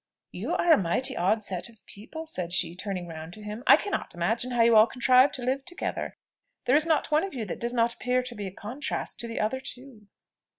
"You are a mighty odd set of people!" said she, turning round to him. "I cannot imagine how you all contrive to live together! There is not one of you that does not appear to be a contrast to the other two."